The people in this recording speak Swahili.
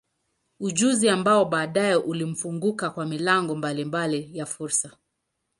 Ujuzi ambao baadaye ulimfunguka kwa milango mbalimbali ya fursa.